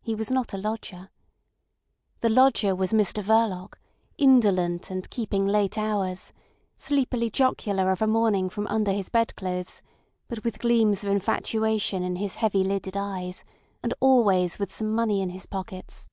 He was not a lodger. The lodger was Mr Verloc, indolent, and keeping late hours, sleepily jocular of a morning from under his bed clothes, but with gleams of infatuation in his heavy lidded eyes, and always with some money in his pockets.